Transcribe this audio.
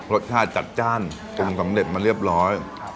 รสชาติจัดจ้านปรุงสำเร็จมาเรียบร้อย